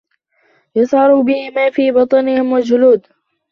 يُصْهَرُ بِهِ مَا فِي بُطُونِهِمْ وَالْجُلُودُ